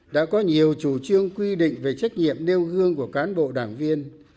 đã có nhiều chủ trương quy định về trách nhiệm nêu gương của cán bộ đảng viên